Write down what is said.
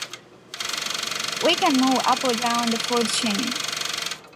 we can move up or down the food chain